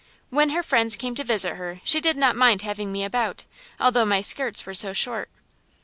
When her friends came to visit her she did not mind having me about, although my skirts were so short.